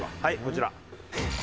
はいこちら。